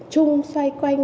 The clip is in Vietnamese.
chung xoay quanh